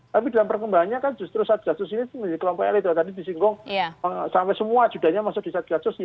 tapi dalam perkembangannya kan justru saat gasus ini kelompok elit tadi disinggung sampai semua judanya masuk di saat gasus